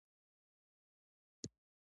پۀ کوټه ښارکښې چاپ کړه ۔